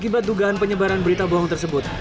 akibat dugaan penyebaran berita bohong tersebut